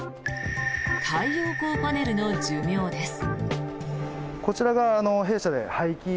太陽光パネルの寿命です。